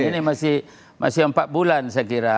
ini masih empat bulan saya kira